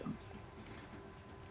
terima kasih pak